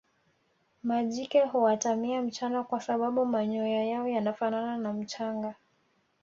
majike huatamia mchana kwa sababu manyoya yao yanafanana na mchanga